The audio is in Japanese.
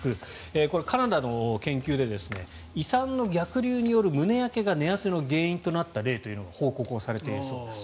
これはカナダの研究で胃酸の逆流による胸焼けが寝汗の原因となった例というのが報告をされているそうです。